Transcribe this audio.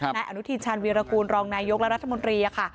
นายอนุทินชาญวีรกูลรองนายกและรัฐมนตรีค่ะ